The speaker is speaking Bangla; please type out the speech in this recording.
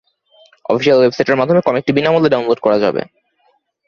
অফিসিয়াল ওয়েবসাইটের মাধ্যমে কমিকটি বিনামূল্যে ডাউনলোড করা যাবে।